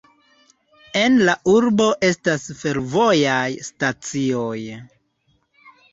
En la urbo estas fervojaj stacioj.